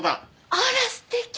あらすてき！